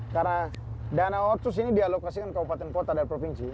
karena dana otsus ini dialokasikan ke obat obatan kota dan provinsi